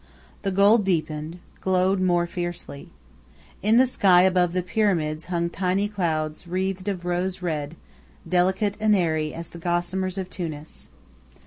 The gold deepened, glowed more fiercely. In the sky above the Pyramids hung tiny cloud wreaths of rose red, delicate and airy as the gossamers of Tunis.